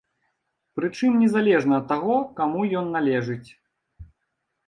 Прычым незалежна ад таго, каму ён належыць.